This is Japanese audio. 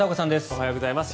おはようございます。